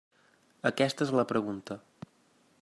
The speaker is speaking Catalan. Aquesta és la pregunta.